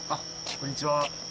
こんにちは。